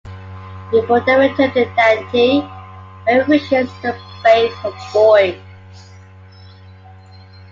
Before they return to Dante, Marie wishes to bathe her boys.